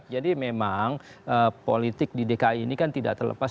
jadi memang politik di dki ini kan tidak terlepas